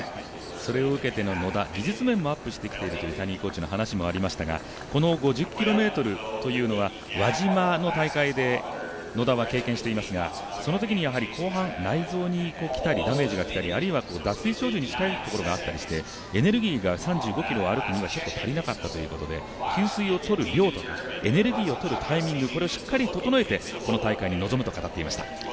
それをつけて野田、技術面もアップしてきているという谷井コーチの話もありましたがこの５０ｋｍというのは輪島の大会で、野田は経験していますがそのときには後半、内臓にダメージがきたり、あるいは脱水症状に近いところがあったりしてエネルギーが３５ｋｍを歩くには足りなかったということで給水を取るタイミング、エネルギーを取るタイミング、これをしっかり整えてこの大会に臨むと言っていました。